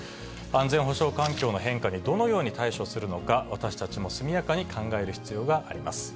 安全保障環境の変化にどのように対処するのか、私たちも速やかに考える必要があります。